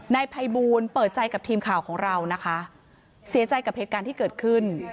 นายภัยบูลเปิดใจกับทีมข่าวของเรานะคะเสียใจกับเหตุการณ์ที่เกิดขึ้น